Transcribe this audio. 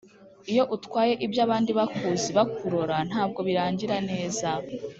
Iyo utwaye iby’abandi Bakuzi bakurora ntabwo birangira neza